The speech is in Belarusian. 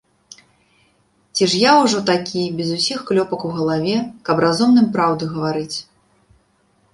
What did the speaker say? Ці ж я ўжо такі, без усіх клёпак у галаве, каб разумным праўду гаварыць?